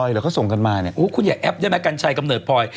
หรือเขาส่งกันมาเนี่ยคุณอย่าแอปได้ไหมกัญชัยกำเนิดพลอย